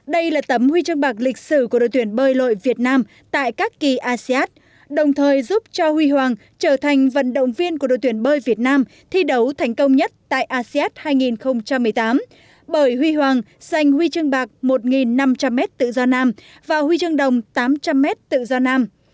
đây là tấm huy chương bạc lịch sử của đội tuyển bơi lội việt nam tại các kỳ asean đồng thời giúp cho huy hoàng trở thành vận động viên của đội tuyển bơi việt nam thi đấu thành công nhất tại asean hai nghìn một mươi tám bởi huy hoàng giành huy chương bạc một năm trăm linh m tự do nam và huy chương đồng tám trăm linh m tự do nam